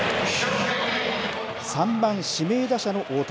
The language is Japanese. ３番、指名打者の大谷。